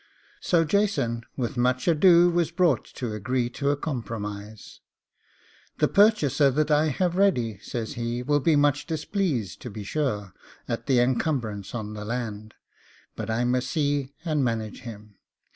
So Jason with much ado was brought to agree to a compromise. 'The purchaser that I have ready,' says he, 'will be much displeased, to be sure, at the encumbrance on the land, but I must see and manage him.